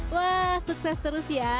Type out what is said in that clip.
wah sukses terus ya